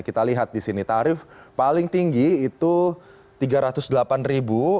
kita lihat di sini tarif paling tinggi itu rp tiga ratus delapan ribu